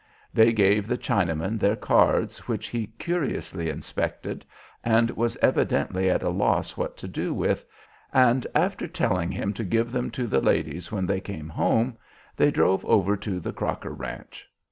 They gave the Chinaman their cards, which he curiously inspected and was evidently at a loss what to do with, and after telling him to give them to the ladies when they came home they drove over to the Crocker Ranch.